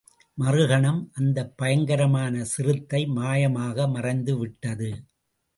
மறுகணம் அந்தப் பயங்கரமான சிறுத்தை மாயமாக மறைந்து விட்டது!